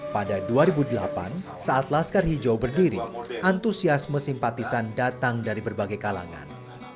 pada dua ribu delapan saat laskar hijau berdiri antusiasme simpatisan datang dari berbagai kalangan